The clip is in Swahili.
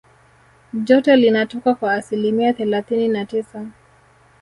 joto linatoka kwa asilimia thelathini na tisa